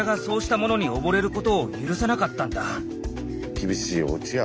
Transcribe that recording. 厳しいおうちや。